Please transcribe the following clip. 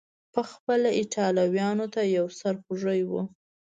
پخپله ایټالویانو ته یو سر خوږی و.